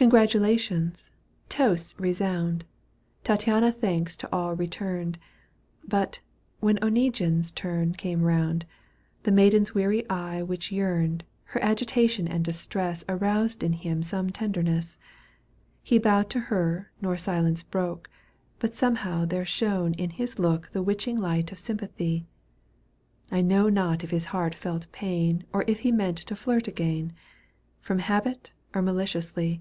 Congratulations, toasts resound, Tattiana thanks to аД returned, But, when Oneguine's turn came round. The maiden's weary eye which yearned. Her agitation and distress Aroused in him some tenderness. He bowed to her nor silence broke. But somehow there shone in his look The witching light of sympathy ; I know not if his heart felt pain Or if he meant to flirt again, From habit or maliciously.